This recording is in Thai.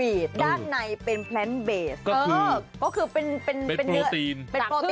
ดิฉันจะชิมเองเลยนี้แหละ